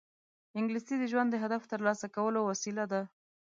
انګلیسي د ژوند د هدف ترلاسه کولو وسیله ده